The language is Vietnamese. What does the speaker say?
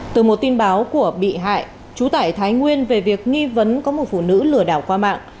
từ một tin báo của bị hại trú tại thái nguyên về việc nghi vấn có một phụ nữ lừa đảo qua mạng